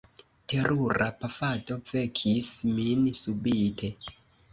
Terura pafado vekis min subite.